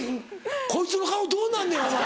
こいつの顔どうなんねんお前。